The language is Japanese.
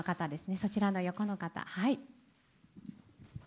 そちらの横の方。